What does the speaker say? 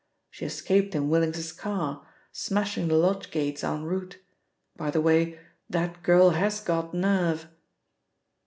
She escaped in Willings's car, smashing the lodge gates en route; by the way that girl has got nerve."